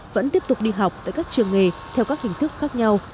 vẫn tiếp tục đi học tại các trường nghề theo các hình thức khác nhau